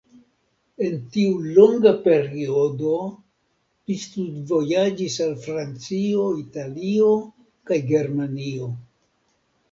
En tiu longa periodo li studvojaĝis al Francio, Italio kaj Germanio.